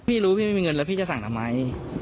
รู้พี่ไม่มีเงินแล้วพี่จะสั่งทำไม